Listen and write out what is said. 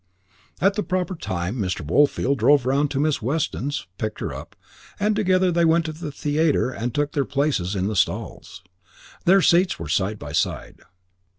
At the proper time Mr. Woolfield drove round to Miss Weston's, picked her up, and together they went to the theatre and took their places in the stalls. Their seats were side by side.